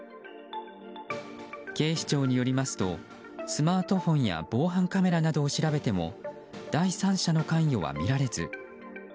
警視庁によりますとスマートフォンや防犯カメラなどを調べても第三者の関与は見られず。